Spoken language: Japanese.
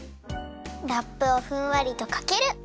ラップをふんわりとかける！